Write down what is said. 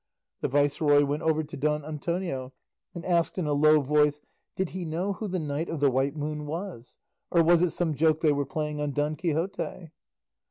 The viceroy went over to Don Antonio, and asked in a low voice did he know who the Knight of the White Moon was, or was it some joke they were playing on Don Quixote.